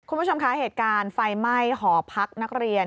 คุณผู้ชมคะเหตุการณ์ไฟไหม้หอพักนักเรียน